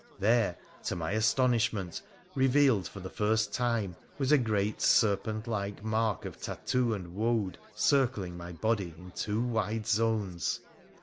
There, to my astonishment, revealed for the first time, was a great serpent like mark of tattoo and wode circling my body in two wide zones